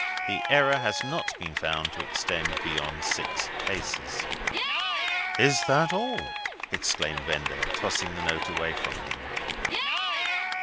The error has not been found to extend beyond six cases." "Is that all!" exclaimed Vendale, tossing the note away from him.